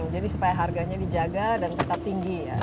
jadi supaya harganya dijaga dan tetap tinggi ya